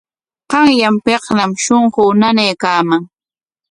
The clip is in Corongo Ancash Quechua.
Qanyanpikñam shunquu nanaykaaman.